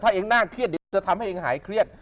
ถ้าเองน่าเครียดเดี๋ยวกูจะทำให้เองหายเครียด